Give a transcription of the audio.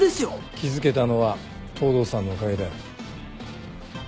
気付けたのは東堂さんのおかげだよ。